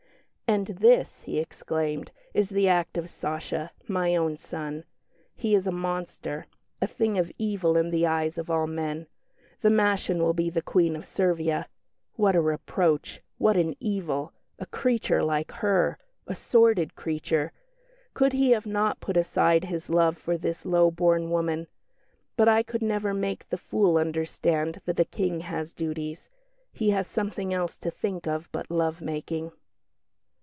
"And this," he exclaimed, "is the act of 'Sacha' my own son. He is a monster, a thing of evil in the eyes of all men! The Maschin will be Queen of Servia. What a reproach! What an evil! A creature like her! A sordid creature! Could he not have put aside his love for this low born woman? But I could never make the fool understand that a King has duties; he has something else to think of but love making."